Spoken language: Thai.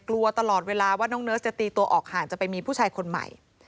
กลัวตลอดเวลาว่าน้องเนิร์สจะตีตัวออกห่างจะไปมีผู้ชายคนใหม่